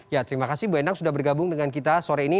ya terima kasih bu endang sudah bergabung dengan kita sore ini